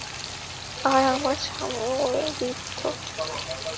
আর আমার স্বামীও এই বৃদ্ধ!